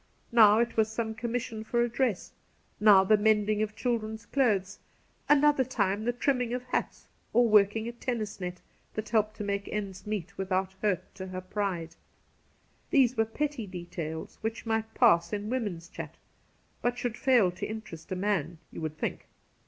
Now it was some commission for a dress, now the mending of children's clothes — another time the trimming of hats or working a tennis net, that helped to make ends meet without hurt to her pride. These were petty details which might pass in woman's chat, but should fail to interest a man, you would think.